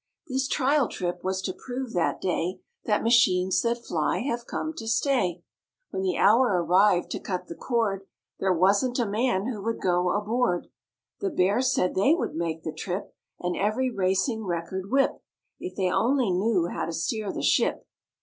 This trial trip was to prove that day That machines that fly have come to stay. When the hour arrived to cut the cord There wasn't a man who would go aboard. The Bears said they would make the trip And every racing record whip If they only knew how to steer the ship.